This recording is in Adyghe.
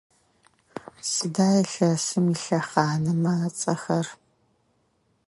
Сыда илъэсым илъэхъанэмэ ацӏэхэр?